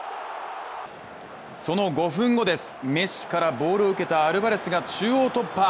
その５分後です、メッシからボールを受けたアルバレスが中央突破。